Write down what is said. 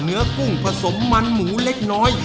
กุ้งผสมมันหมูเล็กน้อย